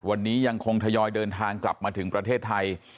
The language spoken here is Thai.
วันนี้ยังคงทยอยเดินทางกลับมาถึงประเทศไทย